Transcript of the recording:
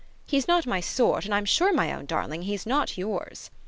"He's not my sort, and I'm sure, my own darling, he's not yours."